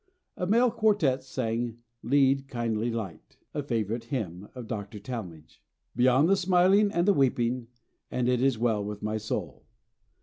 A male quartette sang: "Lead, Kindly Light," a favourite hymn of Dr. Talmage; "Beyond the Smiling and the Weeping"; and "It is well with my Soul."